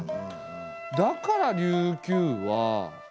だから琉球は。